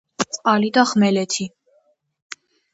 წყალი და ხმელეთი